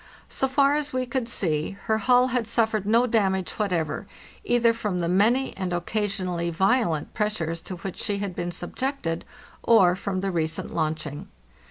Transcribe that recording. So far as we could see, her hull had suffered no damage whatever, either from the many and occasionally violent pressures to which she had been subjected, or from the recent launching.